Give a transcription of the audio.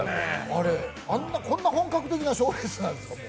こんな本格的な賞レースなんですか？